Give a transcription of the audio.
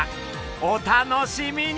お楽しみに！